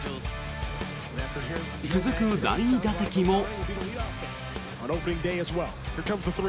続く、第２打席も。